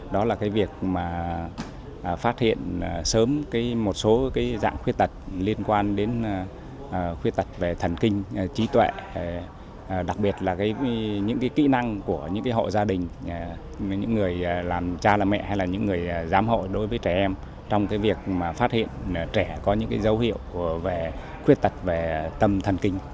đó là cái việc mà phát hiện sớm một số cái dạng khuyết tật liên quan đến khuyết tật về thần kinh trí tuệ đặc biệt là những cái kỹ năng của những cái hộ gia đình những người làm cha làm mẹ hay là những người giám hội đối với trẻ em trong cái việc mà phát hiện trẻ có những cái dấu hiệu về khuyết tật về tâm thần kinh